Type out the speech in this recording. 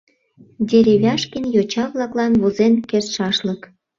Деревяшкин йоча-влаклан возен кертшашлык.